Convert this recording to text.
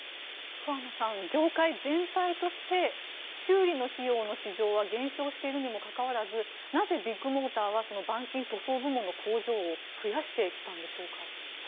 桑野さん、業界全体として修理の費用の市場は減少しているにもかかわらずなぜビッグモーターはその板金塗装部門の工場を増やしてきたんでしょうか。